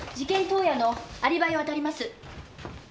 当夜のアリバイを当たります。